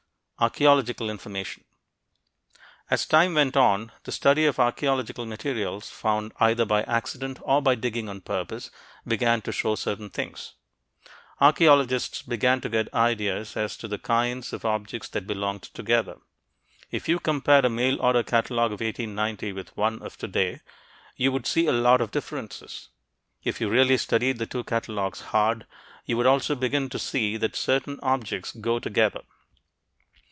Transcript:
ARCHEOLOGICAL INFORMATION As time went on, the study of archeological materials found either by accident or by digging on purpose began to show certain things. Archeologists began to get ideas as to the kinds of objects that belonged together. If you compared a mail order catalogue of 1890 with one of today, you would see a lot of differences. If you really studied the two catalogues hard, you would also begin to see that certain objects "go together."